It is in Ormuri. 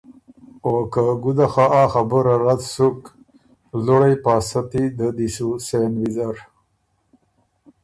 او که ګُده خه ا خبُره رد سُک، لُوړئ پاسدی ده دی سُو سېن ویزر